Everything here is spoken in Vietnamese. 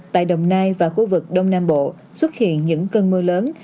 tại đồng nai và khu vực đông nam bộ xuất hiện những cơn mưa lớn